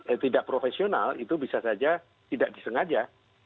eh tidak profesional itu bisa saja tidak disengaja